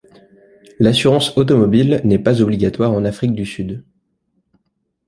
L’assurance automobile n’est pas obligatoire en Afrique du Sud.